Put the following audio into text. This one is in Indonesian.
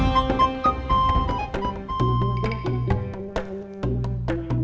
berarti saya harus tanam yang lain